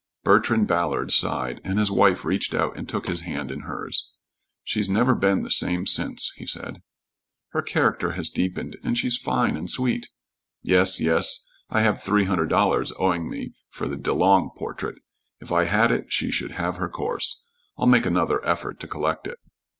Bertrand Ballard sighed, and his wife reached out and took his hand in hers. "She's never been the same since," he said. "Her character has deepened and she's fine and sweet " "Yes, yes. I have three hundred dollars owing me for the Delong portrait. If I had it, she should have her course. I'll make another effort to collect it."